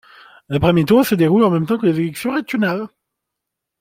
Le premier tour se déroule en même temps que les élections régionales.